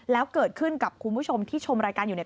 แล้วเกิดขึ้นกับคุณผู้ชมที่ชมรายการอยู่เนี่ย